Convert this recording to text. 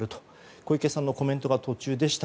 小池さんのコメントが途中でした。